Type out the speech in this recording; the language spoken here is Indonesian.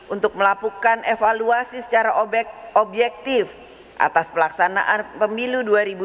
untuk melakukan evaluasi secara objektif atas pelaksanaan pemilu dua ribu dua puluh